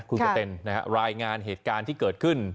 คุณกระเต็นรายงานเหตุการณ์ที่เกิดขึ้น